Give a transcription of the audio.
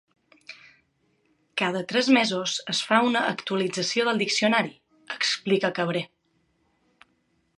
Cada tres mesos es fa una actualització del diccionari –explica Cabré–.